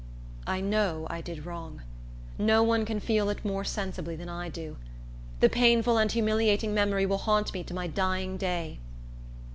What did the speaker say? I know I did wrong. No one can feel it more sensibly than I do. The painful and humiliating memory will haunt me to my dying day.